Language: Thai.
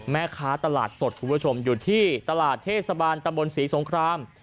แม่ค้าตลาดสดคุณผู้ชมอยู่ที่ตลาดเทศบาลตำบลศรีสงคราม